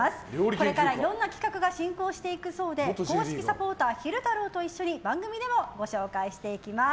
これからいろんな企画が進行していくそうで公式サポーター昼太郎と一緒に番組でもご紹介していきます。